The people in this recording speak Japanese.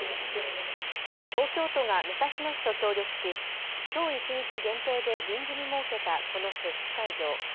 東京都が武蔵野市と協力しきょう一日限定で臨時に設けたこの接種会場。